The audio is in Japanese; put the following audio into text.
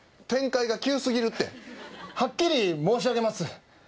展開が急すぎるってはっきり申し上げます